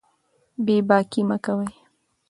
بې باکي مه کوئ.